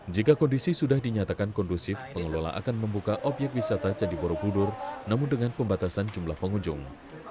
jika kondisi sudah dinyatakan kondusif pengelola akan membuka obyek wisata candi borobudur namun dengan pembatasan jumlah pengunjung